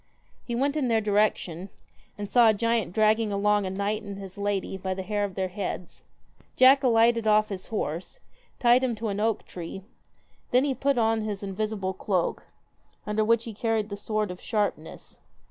He went in their direction, and saw a giant dragging along a knight and his lady by the hair of their heads. Jack alighted off his horse, tied him to an oak tree, then he put on his invisible cloak, under which he carried the sword of sharpness.